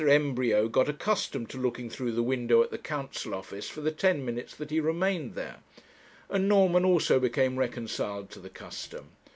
Embryo got accustomed to looking through the window at the Council Office for the ten minutes that he remained there, and Norman also became reconciled to the custom.